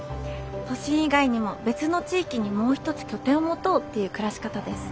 都心以外にも別の地域にもう一つ拠点を持とうっていう暮らし方です。